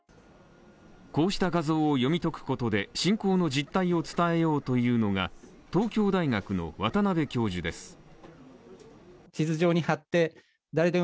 こうした画像を読み解くことで、侵攻の実態を伝えようというのが東京大学の渡邉教授です。